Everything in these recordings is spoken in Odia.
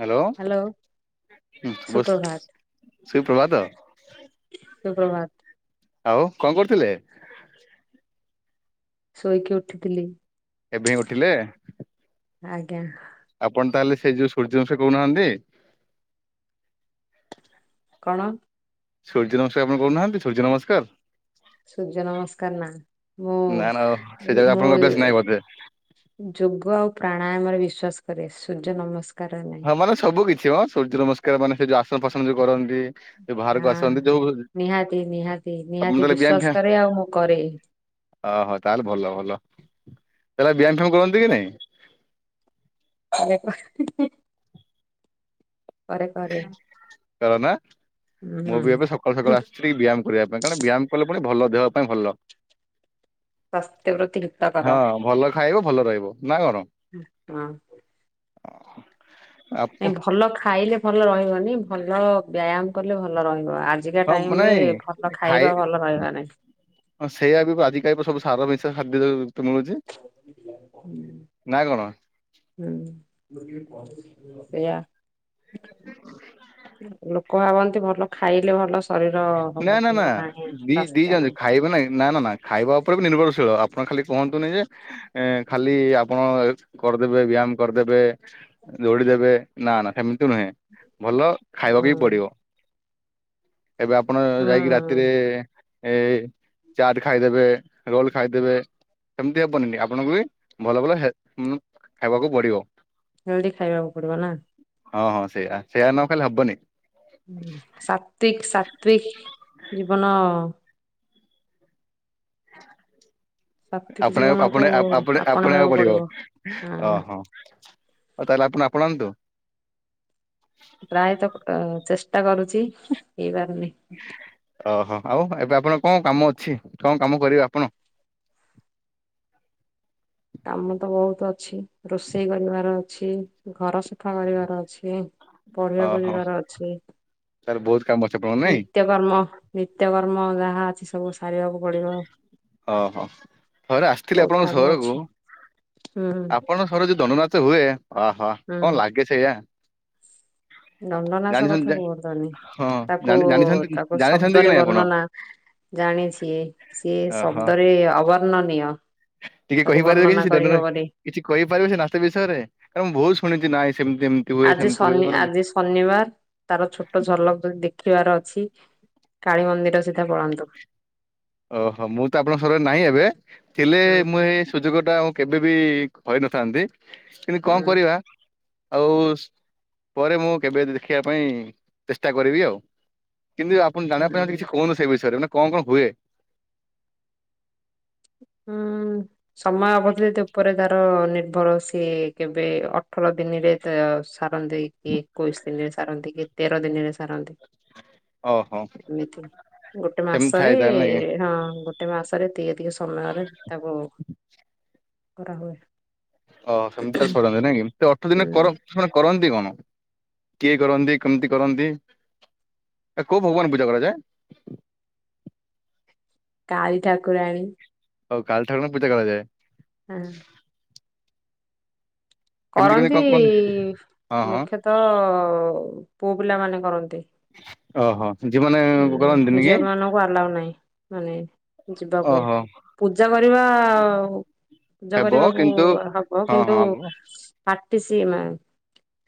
ହାଲୋ। ହ୍ୟାଲୋ ହୁଁ ବସ୍, ସୁପ୍ରଭାତ ସେଇ ପ୍ରଭାତ। ସୁପ୍ରଭାତ ଆଉ, କଣ କରୁଥିଲେ? ଶୋଇକି ଉଠିଥିଲି। ଏବେହିଁ ଉଠିଲେ? ଆଜ୍ଞା। ଆପଣ ତାହେଲେ ସେଇ ଯୋଉ ସୂର୍ଯ୍ୟ [inaudible] କହୁନାହାନ୍ତି? କଣ? ସୂର୍ଯ୍ୟ ନମସ୍କାର ଆପଣ କରୁନାହାନ୍ତି? ସୂର୍ଯ୍ୟ ନମସ୍କାର। ସୂର୍ଯ୍ୟ ନମସ୍କା୍ର୍ ନା, ନା ନା ସେ ମୁଁ, ଜାଗା ଆପଣଙ୍କ ଅଭ୍ୟାସ ନାହିଁ ବୋଧେ। ମୁଁ ଯୋଗ ଆଉ ପ୍ରାଣାୟାମରେ ବିଶ୍ଵାସ କରେ ସୂର୍ଯ୍ୟ ନମସ୍ ହଁ ମାନେ ସବୁକିଛି ହଁ, ସୂର୍ଯ୍ୟ ନମସ୍କାର ମାନେ ସେ ଯୋଉ ଆସନଫାସନ ଯୋଉ କରନ୍ତି। [inaudible] ବାହାରକୁ ହଁ ଆସନ୍ତି ଯୋଉ, ନିହାତି ନିହାତି ଆପଣ ନିହାତି ତାହଲେ ବ୍ୟାୟାମ ବିଶ୍ଵାସ ଫ୍ୟାୟାମ୍ କରେ ଆଉ ମୁଁ କରେ ଓହୋଃ ତାହେଲେ ଭଲ ଭଲ, ତାହେଲେ ବ୍ୟାୟାମ୍ ଫ୍ୟାୟାମ୍ କରନ୍ତି କି ନାଇଁ? [inaudible] ବାବା ହି ହି କରେ କରେ। କର ନା? ମୁଁ ବି ହୁଁ ଏବେ ସକାଳୁ ସକାଳୁ ଆସିଛି ଟିକେ ବ୍ୟାୟାମ କରିବା ପା କଣ ବ୍ୟାୟାମ କଲେ ପୁଣି ଭଲ, ଦେହ ପାଇଁ ଭଲ। ସ୍ୱାସ୍ଥ୍ୟ ପ୍ରତି ହିତକର ହଁ ଭଲ ଖାଇବ ଭଲ ରହିବ, ନା କଣ? ହଁ। ଆପ ନାଇଁ ଭଲ ଖାଇଲେ ଭଲ ରହିବନି, ଭଲ ବ୍ୟାୟାମ କଲେ ଭଲ ରହିବ। [inaudible] ଆଜିକା ହଁ ଟାଇମରେ ନାଇଁ ଭଲ ଖାଇ ଖାଇବା ଭଲ ରହିବା ନାଇଁ। ହଁ ସେଇଆା ବି ଆଜି କାଲି ସବୁ ସାର ମିଶା ଖାଦ୍ୟ ଦେ ହୁଁ ନା କଣ? ହୁଁ। ସେଇଆ, ଲୋକ ଭାବନ୍ତି ଭଲ ଖାଇଲେ ଭଲ ଶରୀର ହବ ନା-ନା-ନା କିନ୍ତୁ ନାହିଁ ଦି ସ୍ୱାସ୍ଥ୍ୟ ଦିଜନଜାଙ୍କ ନାହିଁ। ଖାଇବେ ନାଇଁ ନା-ନା-ନା ଖାଇବା ଉପରେ ବି ନିର୍ଭର [inaudible] ଆପଣ ଖାଲି କୁହନ୍ତୁନି ଯେ, ଏଁ ଖାଲି ଆପଣ କରିଦେବେ ବ୍ୟାୟାମ କରିଦେବେ ଦୌଡିଦେବେ, ନା-ନା ସେମ୍ ତି ନୁହେଁ, ଭଲ ହୁଁ ଖାଇବାବି ପଡିବ ଏବେ ଆପ୍ ଆପଣ ଯାଇକି ହୁଁ ରାତିରେଏ-ଏ ଚାଟ୍ ଖାଇଦେବେ, ରୋଲ୍ ଖାଇଦେବେ ସେମତି ହେବନି ଆପଣଙ୍କୁ ବି ଭଲ ଭଲ ହେ ଉଁ ଖାଇବାକୁ ପଡିବ। ହେଲଦି ଖାଇବାକୁ ପଡିବ ନା? ହଁ-ହଁ ସେଇୟା, ସେଇଆ ନ କଲେ ହବନି। ସାତ୍ତ୍ଵିକ ସାତ୍ତ୍ଵିକ ଜୀବନ ହ [unintelligible] ସାତ୍ଵିକ ଆପଣେଇ ଜୀବନକୁ ଆପଣେ ଆପଣେ ଆପଣେଇବାକୁ ପଡିବ, ହଁ ଓହୋଃ। ଆଉ ତାହେଲେ ଆପଣ ଆପଣାନ୍ତୁ। ପ୍ରାୟତଃ ଚେଷ୍ଟା କରୁଛି, ହେଇପାରୁନି। ଓହୋଃ, ଆଉ ଏବେ ଆପଣ କଣ କାମ ଅଛି କଣ କାମ କରିବେ ଆପଣ? [unintelligible] କାମ ତ ବହୁତ ଅଛି, ରୋଷେଇ କରିବାର ଅଛି ଘର ସଫା କରିବାର ଅଛି। ପଢିବାକୁ ଓହୋ ଯିବାର ଅଛି। ତାହେଲେ ବହୁତ କାମ ଅଛି ଆପଣଙ୍କ ନାଇଁ ନିତ୍ୟକର୍ମ ନିତ୍ୟକର୍ମ ଯାହା ଅଛି ସବୁ ସାରିବାକୁ ପଡିବ। ଓହୋଃ ଥରେ ଆସିଥିଲି ବହୁତ ଆପଣଙ୍କ କାମ ଅଛି ସହରକୁ ହୁଁ। ଆପଣଙ୍କ! ସହରରେ ଯଉ ଦଣ୍ଡୁନାଚ ହୁଏ, ଆହାଃ ହୁଁ କଣ ଲାଗେ ସେଇଆ? ଦଣ୍ଡନାଚ କଥା ଜାଣିଛନ୍ତି କୁହନ୍ତୁନି। ହଁ ତାକୁ ଜାଣି ଜାଣିଛନ୍ତି ତାକୁ ଜାଣିଛନ୍ତି କି ଶବ୍ଦରେ ନାଇଁ ଆପଣ ବର୍ଣ୍ଣନା ଜାଣିଛି। ସିଏ ଓହୋ ଶବ୍ଦରେ ଅବର୍ଣ୍ଣନୀୟ। ଟିକେ ତାକୁ କହିପାରିବେ ବର୍ଣ୍ଣନା କିଛି ଦଣ୍ଡ ନା, କରିହବନି କିଛି କହିପାରିବେ ସେ ନାଚ ବିଷୟରେ? କାରଣ, ମୁଁ ବହୁତ ଶୁଣିଛି ନା ଆଜି ଶନି ଆଜି ଶନିବାର, ତାର ଛୋଟ ଝଲକ ଯଦି ଦେଖିବାର ଅଛି। କାଳୀ ମନ୍ଦିର ସିଧା ପଳନ୍ତୁ। ଓହୋ! ମୁଁ ତ ଆପଣଙ୍କ ସହାରରେ ନାହିଁ ଏବେ, ଥିଲେ ହୁଁ ମୁଁ ଏଇ ସୁଯୋଗ ଟା ଆଉ କେବେ ବି ହରେଇନଥାନ୍ତି, କିନ୍ତୁ କଣ ହୁଁ କରିବା? ଆଉ ପରେ ମୁଁ କେବେ ଦେଖିବା ପାଇଁ ଚେଷ୍ଟା କରିବି ଆଉ। କିନ୍ତୁ ଆପଣ ଜାଣିବା ପାଇଁ ଯଦି ହୁଁ କିଛି କହୁନୁ ସେ ବିଷୟରେ, ମାନେ କଣ କଣ ହୁଏ? ହ [unintelligible] ହୁଁ, ସମୟ ଅବଧି ଉପରେ ତାର ନିର୍ଭର ସିଏ। କେବେ ଅଠର ଦିନି କେ ତ ସାରନ୍ତି କି ଏକୋଇଶି ଦିନରେ ସାରନ୍ତି କି ତେର ଦିନରେ ସାରନ୍ତି? ଓହୋ ଏମିତି ଗୋଟେ ସେମିତି ମାସରେ ଥାଏ ତାହେଲେ ନାଇଁ କି ହଁ, ଗୋ ଗୋଟେ ମାସରେ ଏତିକି ଏତିକି ସମୟରେ ତାକୁ କରାହୁୁଏ। ଓହ! ସେମିତିଖାଲି ସରାନ୍ତି ନାଇଁ କି, ସେ ଅଠର ଦିନ ହୁଁ କର ସେମାନେ କରନ୍ତି କଣ? କିଏ କରନ୍ତି? କେମିତି କରନ୍ତି? ଏ କୋଉ ଭଗବାନଙ୍କୁ ପୂଜା କରାଯାଏ? କାଳୀ ଠାକୁରାଣୀ। ହଉ କାଳି ଠାକୁରାଣୀଙ୍କୁ ପୂଜା କରାଯାଏ। ହଁ। କେମିତି କେମିତି କରନ୍ତି କଣ ହଁ ହଁ ମୁଖ୍ୟତଃ ପୁଅ ପିଲାମାନେ କରନ୍ତି। ଓହୋ! ଯୋଉମାନେ ହୁଁ କରନ୍ତିନି କି ଝିଅ ମାନଙ୍କୁ ଆଲାଉ ନାହିଁ। ମାନେ ଯିବାକୁ ଓହୋ ପୂଜା କରିବା-ଉ। ପୂଜା ହେବ କରିବାକୁ କିନ୍ତୁ ହବ, ହଁ କିନ୍ତୁ ହଁ ବୁ- ପାଟିସି ମା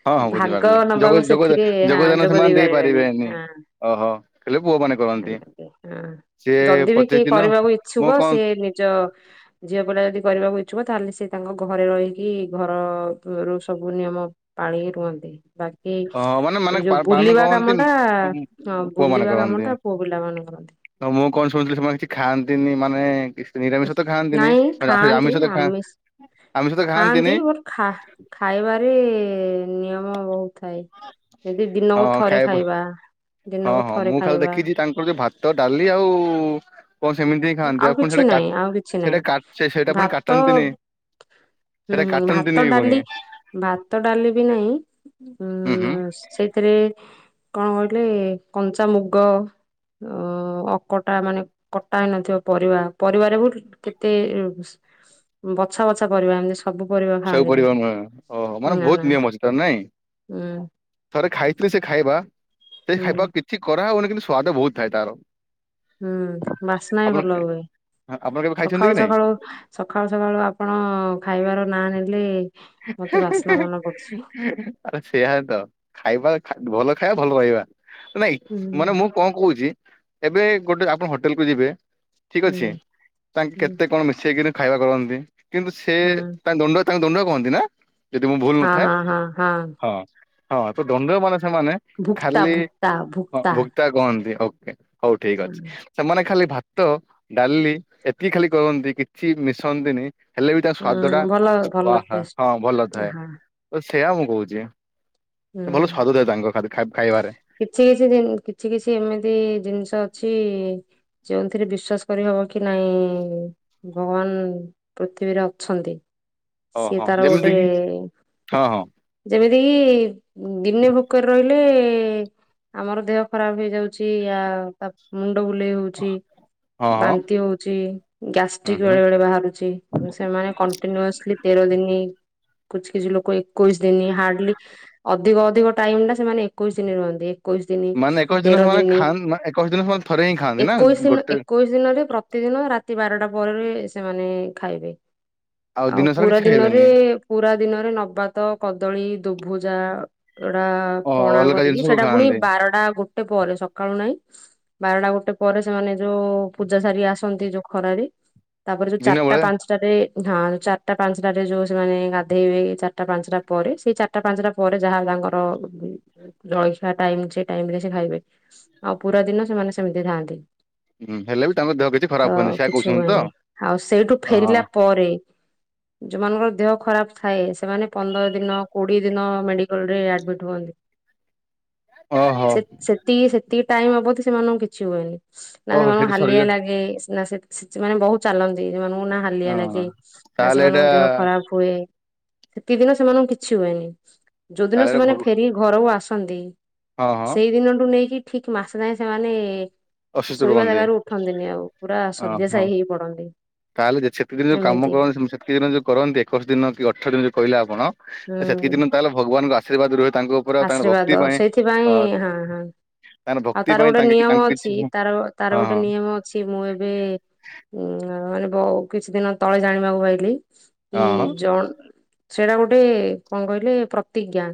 ହଁ ହଁ ଭାଗ ବୁଝିପାରିଲି ଯୋଗ ନବାକୁ ଯୋଗ ସେଥିରେ ହଁ ଯୋଗଦାନ ଯୋଗ ସେମାନେ ଦେଇ ପାରିବେନି। ଦେଇପାରିବେନି। ହଁ, ଓହୋ ହେଲେ ପୁଅ ମାନେ କରନ୍ତି [unintelligible] ହଁ ସିଏ ଯଦି ବି ପଚିଶ କିଏ ଦିନ କରିବାକୁ ମୁଁ ଇଚ୍ଛୁକ କଣ ସି ନିଜ ଝିଅ ସେପଟେ ଯଦି କରିବାକୁ ଇଚ୍ଛୁକ ତାହେଲେ, ସେ ତାଙ୍କ ଘରେ ରହିକି ଘର ରୁ ସବୁ ନିୟମ ପାଳି ଏଇ ରୁହନ୍ତି। ବାକି ହଁ ମାନେ ମାନେ ଏଇ ଯୋଉ ପା-ପାନ୍ ବୁଲିବା କାମ କହନ୍ତିନ୍। ଟା ହଁ ପୁଅ ମାନେ ବୁଲିବା କାମ କରନ୍ତି। ଟା ପୁଅ ପିଲାମାନେ କରନ୍ତି। ତ ମୁଁ କଣ ଶୁଣୁଥିଲି ସେମାନେ କିଛି ଖାଆନ୍ତିନି। ମାନେ ଇଶ ନିରାମିଷ ତ ଖାଆନ୍ତିନି, ନାଇଁ ଖାଆନ୍ତି ଆ-ଆମିଷତ ଖାଆ ଆମିଷ ଖାଆନ୍ତି। ବର୍ ଖା- ଖାଇବାରେ-ଏ ନିୟମ ବହୁତ ଥାଏ, ଯଦି ଦିନକୁ ଥରେ ଖାଇବା। ହଁ ଦିନକୁ ହଁ ଥରେ ମୁଁ ଖାଲି ଖାଇବା ଦେଖିଛି, ତାଙ୍କର ଯୋଉ ଭାତ, ଡାଲି ଆଉ- ଉ -ଉ କଣ ସ ସେମିତି ହିଁ ଖାଆନ୍ତି, ଆଉ କଣ କିଛି ସେଟା ନାହିଁ କାଟ୍ ଆଉ କିଛି ନାହିଁ। ସେଟା କାଟ୍ ସେ ସେଇଟା ପୁଣି ଭାତ କାଟନ୍ତିନି। ହୁଁ, ସେଇଟା ହୁଁ ଭାତ କାଟନ୍ତିନି ବି ପୁଣି ଡାଲି, ଭାତ ଡାଲି ବି ନାଇଁ। ହୁଁ ହୁଁ ଉଁ-ଉଁ-ଅ ସେଇଥିରେ କଣ କହିଲେ-ଏ? କଞ୍ଚାମୁଗ ଅ-ଅକଟା ମାନେ କଟ୍ ପ୍ରାୟ ନଥିବ ପରିବା। ପରିବାରେ ପୁଣି କେତେ ବଛା ବଛା ପରିବା ଏମତି ସ ସବୁ ପରିବ। ନୁହେଁ, ଓହୋ! ମାନେ ନା ନା ବହୁତ ନିୟମ ଅଛି ତାର ନାଇଁ। ହୁଁ ଥରେ ଖାଇଥିଲି ସେ ଖାଇବା। ସେଇ ହୁଁ ଖାଇବାକୁ କିଛି କରାହୁଏନି କିନ୍ତୁ, ସ୍ଵାଦ ବହୁତ ଥାଏ ତାର। ହୁଁ ବାସ୍ନା ବି ଆପଣ ଭଲ ହୁଏ। ଆପଣ କେବେ ଖାଇଛନ୍ତି ସଖାଳୁ କି ନାଇଁ? ସଖାଳୁ ସଖାଳୁ ସଖାଳୁ ଆପଣ ଖାଇବାର ନା ନେ ହୁଁ ହୁଁ ହୁଁ ଆରେ ସେୟା ହି ତ ଖାଇବା ଆରେ ଭଲ ଖାଇବା, ଭଲ ରହିବା। ନାଇଁ, ହୁଁ ମାନେ ମୁଁ କଣ କହୁଛି? ଏବେ ଗୋଟେ ଆପଣ ହୋଟେଲ କୁ ଯିବେ। ଠିକ୍ ହୁଁ ଅଛି ତାଙ୍କେ ହୁଁ କେତେ କଣ ମିଶେଇକିନି ଖାଇବା କରନ୍ତି କିନ୍ତୁ ସେ ହୁଁ ତାଙ୍କୁ ଦଣ୍ଡୁଆ ତାଙ୍କୁ ଦଣ୍ଡୁଆ କୁହନ୍ତି ନା? ଯଦି ମୁଁ ଭୁଲ ହଁ ନଥାଏ, ହଁ ହଁ ହଁ ହଁ ତ ଦଣ୍ଡୁଆ ମାନେ ସେମାନେ ଭୁକ୍ତା ଖାଲି ଭୁକ୍ତା କଣ ଭୁକ୍ତା ଭୁଟା କୁହନ୍ତି ଆଉ। ଏ ହଉ ଠିକ ଉଁ ଅଛି ସେମାନେ ଖାଲି ଭାତ ଡାଲି ଏତିକିଖାଲି କରନ୍ତି କିଛି ମିଶନ୍ତିନି। ହେଲେ ବି ତା ସ୍ଵାଦ ଟା ଭଲ ପ୍ଚୁ ଭଲ ୱାହା ଟେଷ୍ଟ ହଁ ଭଲ ଥାଏ। ହଁ ସେଇୟା ମୁଁ କହୁଛି ଭଲ ସ୍ଵାଦ ଥାଏ ତାଙ୍କ ଖାଇବାରେ। କିଛିକିଛି ଜିନି କିଛିକିଛି ଏମିତି ଜିନିଷ ଅଛି। ଯେଉଁଥିରେ ବିଶ୍ଵାସ କରିହବ କି ନାଇଁ ଭଗବାନ ପୃଥିବୀରେ ଅଛନ୍ତି। ସିଏ ଓହୋ ତାର ଯେମିତି ଗୋଟେ ଏ କିି ଏ ଏ ହଁ ହଁ ଯେମିତି କିି? ଉଁ ଦିନେ ଭୋକରେ ରହିଲେ ଲେ ଆମର ଦେହ ଖରାପ ହେଇଯାଉଛି ଆ ତା ମୁଣ୍ଡ ବୁଲେଇ ହଉଛି। ହଁ ହଁ ବାନ୍ତି ହଉଛି ହୁଁ ଗ୍ୟାଷ୍ଟ୍ରିକ ହୁଁ। ବେଳେ ବେଳେ ବାହାରୁଛି କିନ୍ତୁ ସେମାନେ କଣ୍ଟିନ୍ୟୁସଲି ତେର ଦିନି କିଛି କିଛି ଲୋକ ଏକୋଇଶ ଦିନି ହାର୍ଡଲି। ଅଧିକ ଅଧିକ ଟାଇମ ଟା ସେମାନେ ଏକୋଇଶ ଦିନ ରୁହନ୍ତି। ଏକୋଇଶ ଦିନ ମାନେ ଏକୋଇଶ ତେର ସେମାନେ ଦିନ ଖାଆନ୍ତି ଏକୋଇଶ ଦିନ ସେମାନେ ଥରେ ହିଁ ଖାଆନ୍ତି ନା ଏକୋଇଶ ଦିନ ଗୋଟେ ଏକୋଇଶ ଦିନରେ ପ୍ରତିଦିନ ଦିନ ରାତି ବାରଟା ପରେ ଏ ଏ ସେମାନେ ଖାଇବେ। ଆଉ ଦିନ ସାରା ପୁରା କିଛି ଦିନରେ ଖାଇବେନି ପୁରା ଦିନରେ ନବାତ କଦଳୀ ଦୁଭୁଜା। ଏଗୁଡ଼ା ଓ ପଣା ଅଲଗା ଜିନିଷ କରିକି ସବୁ ସେଇଟା ପୁଣି ଖାଆନ୍ତି ବାରଟା ଗୋଟେ ପରେ ସକାଳୁ ନାଇଁ। ବାରଟା ଗୋଟେ ପରେ ସେମାନେ ଯୋଉ ପୂଜା ସାରି ଆସନ୍ତି ଯୋଉ ଖରାରେ। ତାପରେ ଯୋଉ ଦିନ ଚାରଟା ବେଳେ ପାଞ୍ଚଟାରେ ହଁ ଚାରିଟା ପାଞ୍ଚଟା ରେ ଯୋଉ ସେମାନେ ଗାଧେଇବେ ଚାରିଟା ପାଞ୍ଚଟା ପରେ, ସେଇ ଚାରିଟା ପାଞ୍ଚଟା ପରେ ଯାହା ତାଙ୍କର ଉ ଉ ଜଳଖିଆ ଟାଇମ ସେ ଟାଇମ ରେ ସେ ଖାଇବେ ଆଉ ପୁରା ଦିନ ସେମାନେ ସେମିତି ଥାଆନ୍ତି। ହୁଁ ହେଲେ ବି ତାଙ୍କ ଦେହ କିଛି ତ ଖରାପ ହୁଏନି ସେଆ କିଛି କହୁଛନ୍ତି ତ ହୁଏନି ଆଉ ସେଇଠୁ ଓହୋ ଫେରିଲା ପରେ ଯୋଉମାନଙ୍କର ଦେହ ଖରାପ ଥାଏ ସେମାନେ ପନ୍ଦର ଦିନ କୋଡିଏ ଦିନ। ମେଡିକୋଲ ରେ ଆଡମିଟ ହୁଅନ୍ତି ଓହୋ ସେ ସେତି ସେତିକି ଟାଇମ ଅବଧୀ ସେମାନଙ୍କୁ କିଛି ହୁଏନି ନା ଓହୋ ସେମାନଙ୍କୁ ସେଠି ହାଲିଆ ଶରୀର ଲାଗେ ନା ସେ ସେ ସେ ମମାନେ ବହୁତ ଚାଲନ୍ତି ସେମାନଙ୍କୁ ନା ହାଲିଆ ହଁ ଲାଗେ ନା ତାହେଲେ ଏଇଟା ସେମାନଙ୍କ ଦେହ ଖରାପ ହୁଏ। ସେତିକିଦିନ ସେମାନଙ୍କୁ କିଛି ହୁଏନି ଯୋଉଦିନ ତାହେଲେ ଏଇଟା ଭ ସେମାନେ ଫେରିକି ଘରକୁ ଆସନ୍ତି। ହଁ ହଁ ସେଇ ଦିନଠୁ ନେଇକି ଠିକ୍ ମାସେ ଯାଏ ସେମାନେ ଅସୁସ୍ଥ ଶୋଇବା ରୁହନ୍ତି ଜାଗାରୁ ଉଠନ୍ତିନି ଆଉ ପୁରା ଓହୋ ଶଯ୍ୟାଶାୟୀ ହେଇ ପଡନ୍ତି। ତାହେଲେ ସେତିକ ଦିନ ଯୋଉ କାମ ଏମିତି। କରନ୍ତି ସେତିକ ଦିନ ଯୋଉ କରନ୍ତି ଏକୋଇଶ ଦିନ କି ଅଠର ଦିନ ଯୋଉ କହିଲେ ଆପଣ? ହୁଁ ସେତିକି ଦିନ ତାହେଲେ ଭଗବାନଙ୍କ ଆଶୀର୍ବାଦ ରୁହଛି। ଆଶୀର୍ବାଦ ସେଇଥିପାଇଁ ହଁ ହଁ ତାଙ୍କର ଆଉ ଭକ୍ତି ତାର ପାଇଁ ଗୋଟେ ତାଙ୍କେ କି ନିୟମ ତାଙ୍କୁ କିଛି ଅଛି। ହଁ ତାର ତାର ଗୋଟେ ହଁ ନିୟମ ଅଛି ମୁଁ ଏବେ ଉ ମାନେ? କିଛି ଦିନ ତଳେ ଜାଣିବାକୁ ପାଇଲିି କି ହଁ ଜଣ ସେଇଟା ଗୋଟେ କଣ କହିଲେ ପ୍ରତିଜ୍ଞା।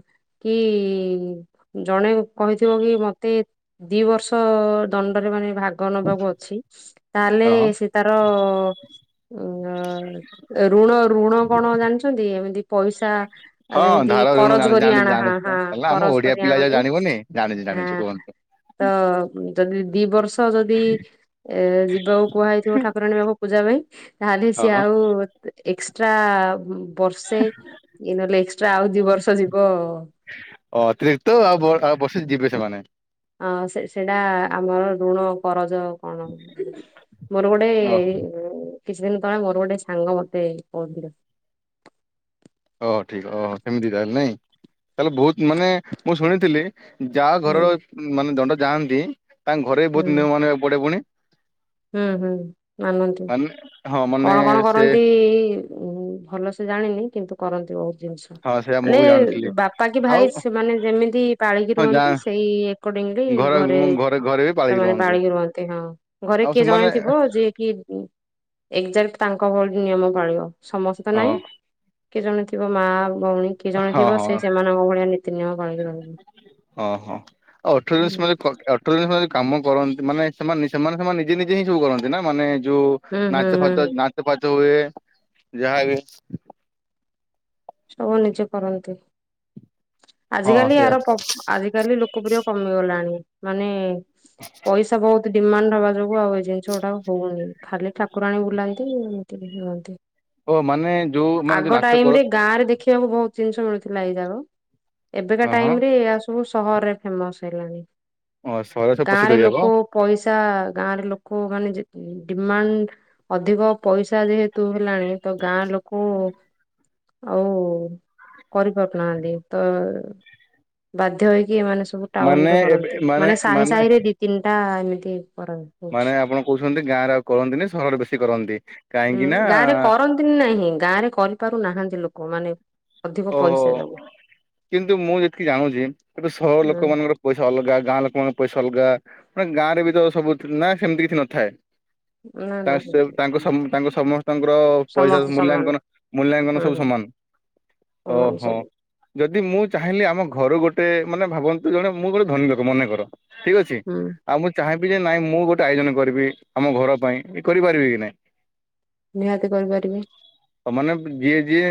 କି ଜଣେ କହିଥିବ କି ମତେ ଦି ବର୍ଷ ଦଣ୍ଡରେ ମାନେ ଭାଗ ଆଗ ନେବାକୁୁ ଅଛି ତାହେଲେ ହଁ ସେ ତାର। ଋଣ ଋଣ କଣ ଜାଣିଛନ୍ତି ଏମିତି ପଇସା ଆଉ ହଁ ଯେମିତି ଧାର ଋଣ କରଜ ଜାଣି କରି ଜାଣି ଆଣା ଜାଣି ହଁ ହେଲା ଆମ କରଜ ଓଡିଆ କରି ପିଲା ଯା ଆଣନି ଜାଣିବନି ଜାଣିଛି ହ ଜାଣିଛି କୁହନ୍ତୁ। ତ ଯଦି ଦି ବର୍ଷ ସହ ଯଦି ଏ ଯିବାକୁ କୁହାହଇଥିବ ଠାକୁରାଣୀ ବାବ ପୂଜା ପାଇଁ ତାହେଲେ ହଁ ସିଏ ହଁ ଆଉ। ଏକ୍ସଟ୍ରା ବର୍ଷେ ଇ ନହେଲେ ଏକ୍ସଟ୍ରା ଆଉ ଦି ବର୍ଷ ଯିବ। ଅ ଅତିରିକ୍ତ ଆଉଉ ବସେ ଯିବେ ସେମାନେ? ଅ ସେ ସେଇଟା ଆମର ଋଣ କରଜ। କଣ ମୋର ଗୋଟେ ଓ କିଛି ଦିନ ତଳେ ମୋର ଗୋଟେ ସାଙ୍ଗ ମତେ କହୁଥିଲେ। ଓ ଠିକ୍ ଓ ସେମିତି ତାହେଲେ ନାଇଁ ତାହେଲେ ବହୁତ ମାନେ ମୁଁ ଶୁଣିଥିଲି। ଯାହା ହୁଁ ଘରର ମାନେ ଦଣ୍ଡ ଯାଆନ୍ତି ତାଙ୍କ ଘରେ ବି ବହୁତ ହୁଁ ନି ମାନ ପଡେ ପୁଣି ହୁଁ ହୁଁ ନାନନ୍ତି ମାନେ ହଁ ମାନେ କଣ କଣ ସେ କରନ୍ତି ଭଲ ସେ ଜାଣିନି କିନ୍ତୁ କରନ୍ତି ବହୁତ ଜିନିଷ ହଁ ସେଇଆ ମୁଁ ମାନେ ବି ଜାଣୁଥିଲି ବାପା କି ଆଉ ଭାଇ ସେମାନେ ଯେମିତି ପାଳିକି ହଁ ଯା ରୁହନ୍ତି ସେଇ ଏଟେ ଘରେ ସେମାନେ ପାଳିକି ରୁହନ୍ତି ହଁ ଘରେ ଆଉ କିଏ ସେମାନେ ଜଣେଥିବ ଯିଏ କି ଏକ୍ଜାକ୍ଟ ତାଙ୍କ ଭଳି ନିୟମ ପାଳିବ। ସମସ୍ତେ ତ ନହିଁ ହଁ କି ଜଣେ ଥିବ ମା ଭଉଣୀ କିଏ ଜଣେ ହଁ ଥିବ ହଁ ସେ ସେମାନଙ୍କ ଭଳିଆ ନୀତିନୟମ ପାଳିକି ରହିବ ଓହଁ ଆଉ ଅଠର ଜିନିଷ ହୁଁ ମ ଅଠର ଜିନିଷ ଯ କାମ କରନ୍ତି ମାନେ ସେମାନେ ସେମାନେ ସେମାନେ ନିଜେ ନିଜେ ହିଁ ସବୁ କରନ୍ତି ନା ମାନେ ଯୋଉ ହୁଁ ନାଚ ହୁଁ ଫାଚ ନାଚ ଫାଚ ହୁଏ। ଯାହା ବି ସବୁ ନିଜେ କରନ୍ତି। ହଁ ଆଜିକାଲି ସେଇଆ ଆାର ଆଜିକାଲି ଲୋକପ୍ରିୟ କମିଗଲାଣି ମାନେ। ପଇସା ବହୁତ ଡିମାଣ୍ଡ ହବା ଯୋଗୁ ଆଉ ଏଇ ଜିନିଷ ଗୁଡା ହଉନି ଖାଲି ଠାକୁର ଠାକୁରାଣୀ ବୁଲାନ୍ତି ଏମିତି ଓ ମାନେ ଯୋଉ ମାନେ ଯୋଉ ଆଗ ନାଚ କର ଟାଇମରେ ଗାଁ ରେ ଦେଖ ଦେଖକୁ ବହୁତ ଜିନିଷ ମିଳୁଥିଲା ଏଇ ଯାକ ଏବେକା ହଁ ହଁ ଟାଇମ ରେ ସବୁ ସହରରେ ଫେମସ ହେଇଲାଣି ହଁ ସହରରେ ପ୍ରସିଦ୍ଧ ଗାଁରେ ଯାକ ଲୋକ ପଇସା ଗାଁରେ ଲୋକ ମାନେ ଡିମାଣ୍ଡ ଅଧିକ ପଇସା ଯେହେତୁ ତୁ ହେଲାଣି ତ ଗାଁ ଲୋକ ଆଉ କରିପାରୁନାହାନ୍ତି। ବାଧ୍ୟ ହୋଇକି ଏମାନେ ସବୁ ଟାଉନରେ କରନ୍ତି ମାନେ ସାହି ସାହି ରେ ଦି ତିନିଟା ଏମିତି କର ହଉଛି। ମାନେ ଆପଣ କହୁଛନ୍ତି ଗାଁରେ ଆଉ କରନ୍ତିନି ସହରରେ ବେଶୀ କରନ୍ତି ହୁଁ କାହିଁକି ନା ଗାଁ ରେ କରନ୍ତିନି ନାହିଁ ଗାଁ ରେ କରିପାରୁ ନାହାନ୍ତି ଲୋକ ମାନେ ଅଧିକ ଓହୋ ପଇସା ଦାଉ କିନ୍ତୁ ମୁଁ ଯେତିକି ଜାଣୁଛି ଏଟୁ ସହର ଲୋକମାନଙ୍କର ପଇସା ଅଲଗା ଗାଁ ଲୋକଙ୍କ ପଇସା ସଲଗା ମାନେ ଗାଁ ରେ ବି ତ ସବୁ ନା ସେମିତି କିଛି ନଥାଏ ନା ନା ତାଙ୍କ ସେମିତି କିଛି ନାହିଁ। ତାଙ୍କ ସମସ୍ତଙ୍କର ପଇସା ସମସ୍ତେ ସମାନ ମୂଲ୍ୟାଙ୍କନ ମୂଲ୍ୟାଙ୍କନ ହୁଁ ସବୁ ହୁଁ ସମାନ ସମାନ ଓହୋ ସବୁ ଯଦି ମୁଁ ଚାହିଁଲି ଆମ ଘର ଗ ଗୋଟେ ମାନେ ଭାବନ୍ତୁ ଜଣେ ମୁଁ ଗୋଟେ ଧନୀ ମନେକର ଠିକ ଅଛି ହୁଁ ଆଉ ମୁଁ ଚାହିଁବି ଯେ ନାଇଁ ମୁଁ ଗୋଟେ ଆୟୋଜନ କରିବି ଆମ ଘର ପାଇଁ କରିପାରିବି କି ନାଇଁ ନିହାତି କରିପାରିବି ହଉ ମାନେ ଯିଏ ଯିଏ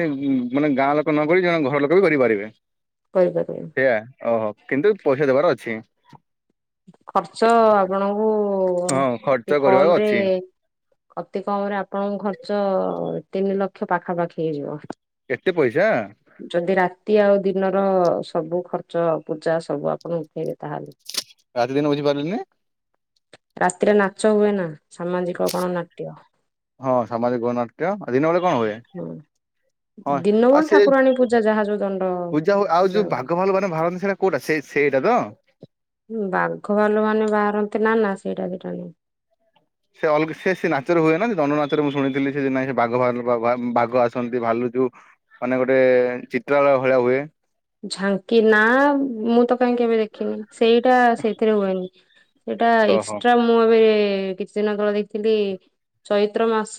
ମାନେ ଗାଁ ଲୋକ ନକ ଜଣେ ଘର ଲୋକ ବି କରିପାରିବେ କରିପାରିବେ ସେଇଆା ଓହୋ କିନ୍ତୁ ପଇସା ଦେବାର ଅଛି ଖର୍ଚ୍ଚ ଆପଣଙ୍କୁ ହଁ ଖର୍ଚ୍ଚ ଅତି କରିବାର କମରେ ଅଛି। ଅତି କମରେ ଆପଣଙ୍କ ଖର୍ଚ୍ଚ ତିନି ଲକ୍ଷ ପାଖାପାଖି ହେଇଯିବ। ଏତେ ପଇସା ଯଦି ରାତି ଆଉ ଦିନର ସବୁ ଖର୍ ଚ ପୂଜା ସବୁ ଆପଣ ଉଠାଇବେ ତାହେଲେ ରାତି ଦିନ ବୁଝିପାରିଲେନି। ତ ହୁଏ ନା। ସାମାଜିକ ଗଣନାଟ୍ୟ ହଁ ସାମାଜିକ ଗଣନାଟ୍ୟ ଦିନ ବେଳେ କଣ ହୁଏ? ହୁଁ। ହଁ ଦିନମାନ ଆଉ ସେ ଠାକୁରାଣୀ ପୂଜା ଯାହା ଯୋଉ ଦଣ୍ଡ ପୂଜା ଆ ଆଉ ଯୋଉ ବାଘ ଭାଲୁ ମାନେ ବାହାରନ୍ତି ସେଇଟା କୋଉଟା ସେ ସେଇଟା ତ ବାଘ ଭାଲୁ ମାନେ ବାହାରନ୍ତି ନାନା ସେଇଟା ଦିଟା ନହି। ସେ ଅଲଗ ସେ ସେ ନାଚରେ ହୁଏନା ସେ ଜନ ନାଚରେ ମୁଁ ଶୁଣିଥିଲି ସେ ନାଇଁ ବାଘ ବାଘ ଆସନ୍ତି ଭାଲୁ। ଯୋଉ ଅନେକ ଗୋଟେ ଚିତ୍ରାଳୟ ଭଳିଆ ହୁଏ। ଝାଙ୍କି ନା ମୁଁ ତ କାହିଁ କେବେ ଦେଖିନି ସେଇଟା ସେଇଥିରେ ହୁଏନି। ସେଇଟା ଓହୋ ଏକ୍ସଟ୍ରା ମୁଁ ଏବେ କିଛି ଦିନ ତଳେ ଦେଇଥିଲି। ଚୈତ୍ର ମାସ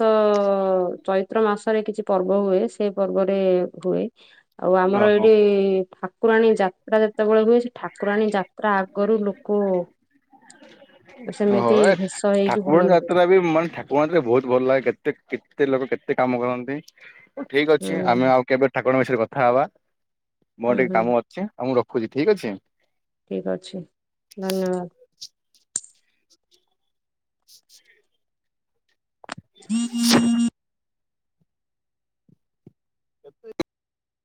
ଚୈତ୍ର ମାସରେ କିଛି ପର୍ବ ହୁଏ ସେ ପର୍ବରେ ହୁଏ। ଆଉ ଆମର ଓହୋ ଏଇଠି ଠାକୁରାଣୀ ଯାତ୍ରା ଯେତେବେଳେ ହୁଏ ସେ ଠାକୁ ଠାକୁରାଣୀ ଯାତ୍ରା ଆଗରୁ ଲୋକ [unintelligible] ଓ ସେମିତି ଏ ଭେଷ ହେଇକି ଠାକୁରାଣୀ ବୁଲନ୍ତି ଯାତ୍ରା ବି ମାନେ ଠାକୁର ଯାତ୍ରା ବହୁତ ଭଲ ଲାଗେ କେତେ କେତେ ଲୋକ କେ ଏତେ କାମ କରନ୍ତି ଠିକ ହୁଁ ଅଛି ଆମେ ଆଉ କେବେ ଠାକୁରଙ୍କ ବିଷୟରେ କଥା ହବା। ମୋର ହୁଁ ଟିକେ ହୁଁ କାମ ଅଛି ଆଉ ମୁଁ ରଖୁଛି ଠିକ ଅଛି। ଠିକ ଅଛି ଧନ୍ୟବାଦ [unintelligible] କେ [unintelligible]